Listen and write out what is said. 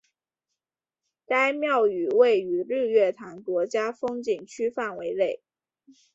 该庙宇位于日月潭国家风景区范围内。